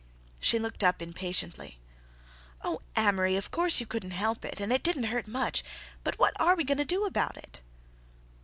She looked up impatiently. "Oh, Amory, of course you couldn't help it, and it didn't hurt much; but what are we going to do about it?"